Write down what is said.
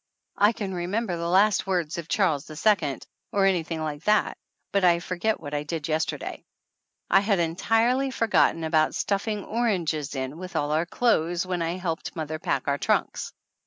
I can re member the last words of Charles II, or any thing like that, but I forget what I did yester day. I had entirely forgotten about stuffing oranges in with all our clothes when I helped mother pack our trunks